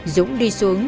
dũng đi xuống